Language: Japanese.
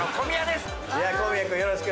小宮君よろしく。